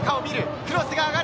クロスが上がる！